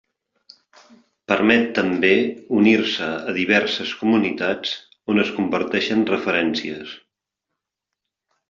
Permet també unir-se a diverses comunitats on es comparteixen referències.